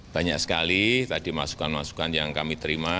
banyak sekali tadi masukan masukan yang kami terima